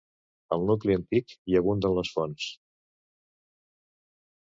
Al nucli antic hi abunden les fonts.